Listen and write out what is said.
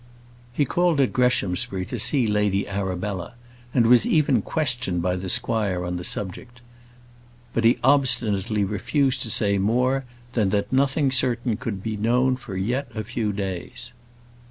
He called at Greshamsbury to see Lady Arabella, and was even questioned by the squire on the subject. But he obstinately refused to say more than that nothing certain could be known for yet a few days.